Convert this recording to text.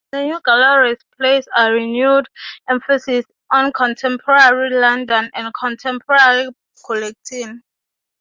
The new galleries place a renewed emphasis on contemporary London and contemporary collecting.